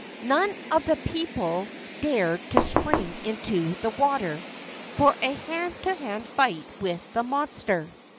None of the people dared to spring into the water for a hand to hand fight with the monster.